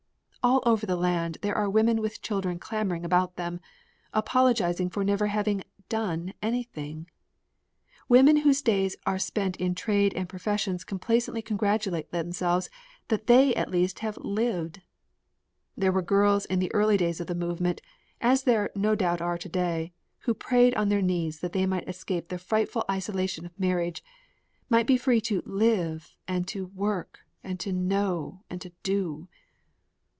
All over the land there are women with children clamoring about them, apologizing for never having done anything! Women whose days are spent in trade and professions complacently congratulate themselves that they at least have lived. There were girls in the early days of the movement, as there no doubt are to day, who prayed on their knees that they might escape the frightful isolation of marriage, might be free to "live" and to "work," to "know" and to "do."